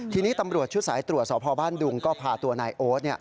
ทีนี้ตำรวจชุดสายตรวจสอบพอบ้านดุงก็พาตัวนายโอ๊ต